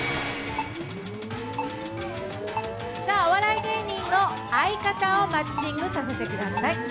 お笑い芸人の相方をマッチングさせてください。